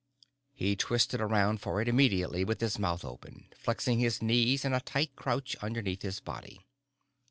He twisted around for it immediately with his mouth open, flexing his knees in a tight crouch underneath his body.